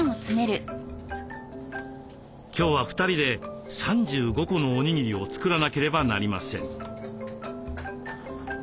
今日は２人で３５個のおにぎりを作らなければなりません。